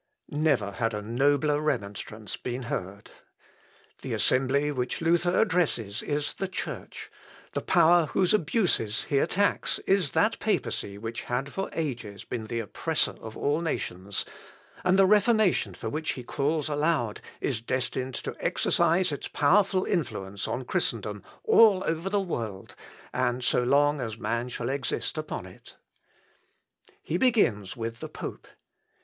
Never had a nobler remonstrance been heard. The assembly which Luther addresses is the Church, the power whose abuses he attacks is that papacy which had for ages been the oppressor of all nations, and the Reformation for which he calls aloud is destined to exercise its powerful influence on Christendom, all over the world, and so long as man shall exist upon it. He begins with the pope.